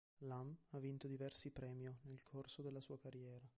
Lam ha vinto diversi premio nel corso della sua carriera.